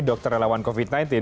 dokter lawan covid sembilan belas